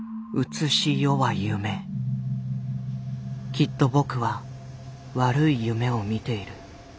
きっと僕は悪い夢を見ている。